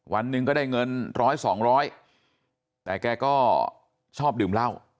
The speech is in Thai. วันหนึ่งก็ได้เงินร้อยสองร้อยแต่แกก็ชอบดื่มเหล้า